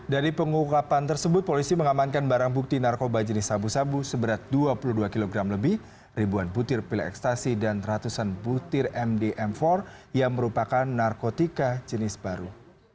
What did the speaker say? dari pengungkapan tersebut polisi mengamankan barang bukti narkoba jenis sabu sabu seberat dua puluh dua kg lebih ribuan butir pil ekstasi dan ratusan butir mdm empat yang merupakan narkotika jenis baru